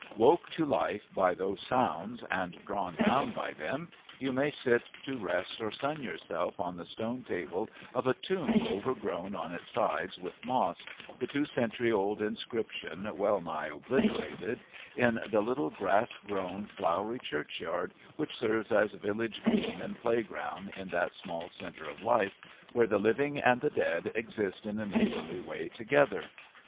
Woke to life by those sounds, and drawn down by them, you may sit to rest or sun yourself on the stone table of a tomb overgrown on its sides with moss, the two century old inscription well nigh obliterated, in the little grass grown, flowery churchyard which serves as village green and playground in that small centre of life, where the living and the dead exist in a neighbourly way together.